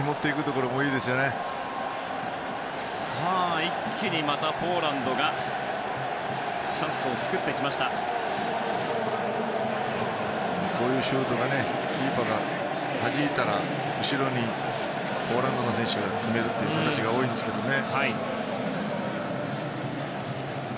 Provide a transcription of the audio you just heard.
こういうシュートとかキーパーがはじいたら後ろにポーランドの選手が詰める形が多いですね。